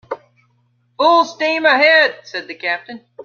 "Full steam ahead," said the captain.